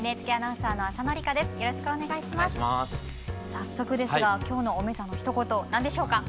早速ですが今日の「おめざ」のひと言何でしょうか？